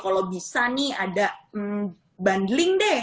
kalau bisa nih ada bundling deh